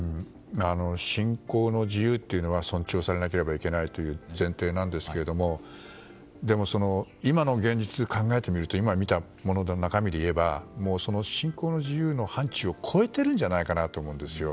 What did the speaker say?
信仰の自由というのは尊重されなければいけないという前提なんですけどでも、今の現実で考えてみると今見たものの中身で言えば信仰の自由の範疇を超えてるんじゃないかなと思うんですよ。